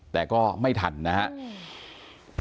แต่ก็ไม่ทันนะฮะ